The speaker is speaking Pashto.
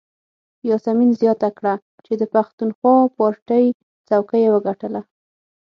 یاسمین زیاته کړه چې د پښتونخوا پارټۍ څوکۍ یې وګټله.